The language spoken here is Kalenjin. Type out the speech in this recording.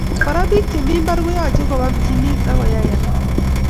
Kora bik che mi mbar koyaje koba mjinit ak koyai alak